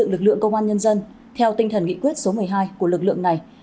lực lượng công an nhân dân theo tinh thần nghị quyết số một mươi hai của lực lượng này